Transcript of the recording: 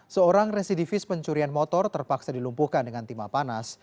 seorang residivis pencurian motor terpaksa dilumpuhkan dengan timah panas